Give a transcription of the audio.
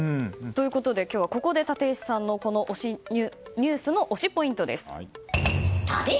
今日はここで立石さんのニュースの推しポイントです。